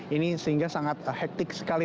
ini sehingga sangat hektik sekali